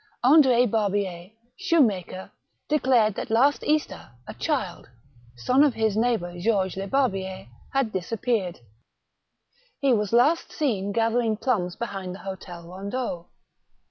Andr6 Barbier, shoe maker, declared that last Easter, a child, son of his neigh bour Georges Lebarbier, had disappeared. He was last seen gathering plums behind the hotel Eondeau.